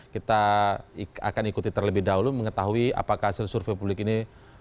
kita akan ikuti terlebih dahulu mengetahui apakah hasil survei publik ini